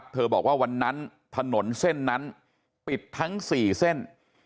บอกว่าวันนั้นถนนเส้นนั้นปิดทั้ง๔เส้น